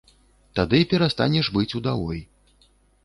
Тады перастанеш быць удавой.